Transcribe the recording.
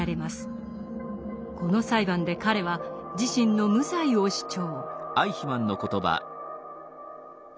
この裁判で彼は自身の無罪を主張。